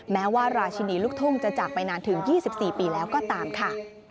แม้ว่าราชินีลูกทุ่งจะจากไปนานถึง๒๔ปีแล้วก็ตามค่ะ